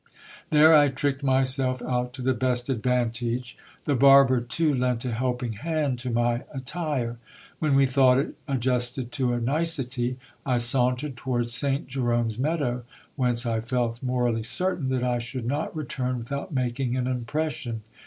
There I tricked myself out to the best advantage. The barber too lent a helping hand to my attire. When we thought it adjusted to a nicety, I sauntered towards Saint Jerome's meadow, whence I felt morally certain that I should not return with out making an impression.